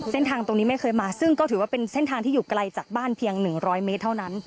เส้นทางตรงนี้ไม่เคยมาซึ่งก็ถือว่าเป็นเส้นทางที่อยู่ไกลจากบ้านเพียง๑๐๐เมตรเท่านั้น